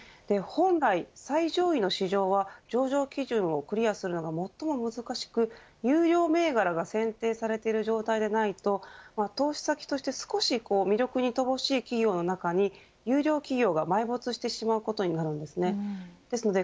本来、最上位の市場は上場基準をクリアするのが最も難しく優良銘柄が選定されている状態でないと投資先として少し魅力に乏しい企業の中に優良企業が埋没してしまうことになるんです。